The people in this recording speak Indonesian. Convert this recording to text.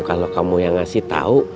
kalo kamu yang ngasih tau